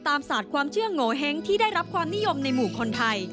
ศาสตร์ความเชื่อโงเห้งที่ได้รับความนิยมในหมู่คนไทย